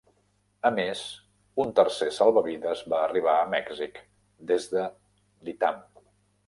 A més, un tercer salvavides va arribar a "Mèxic" des de Lytham.